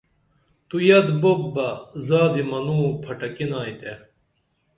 تو یت بُوپ بہ زادی منوں پھٹکِنائی تے